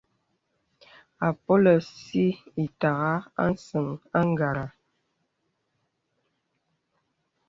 Àpōlə̀ sī itàgha a səŋ àgara.